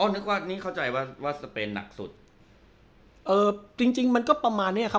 นึกว่านี่เข้าใจว่าว่าสเปนหนักสุดเอ่อจริงจริงมันก็ประมาณเนี้ยครับ